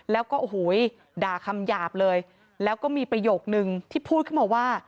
แล้วก็โอ้โหด่าคำหยาบเลยแล้วก็มีประโยคนึงที่พูดขึ้นมาว่า